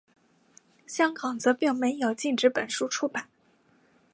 香港则并没有禁止本书出版。